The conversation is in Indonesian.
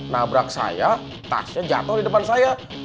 nabrak saya tasnya jatuh di depan saya